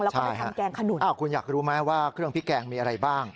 แล้วก็ไปทำแกงขนุนอ้าวคุณอยากรู้ไหมว่าเครื่องพริกแกงมีอะไรบ้าง